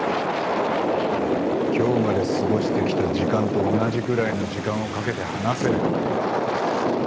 今日まで過ごしてきた時間と同じくらいの時間をかけて話せ。